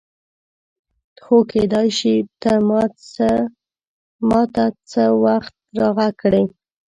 خو کېدای شي ته ما ته هغه وخت راغږ کړې.